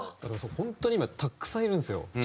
本当に今たくさんいるんですよ。